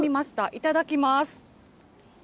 いただきます。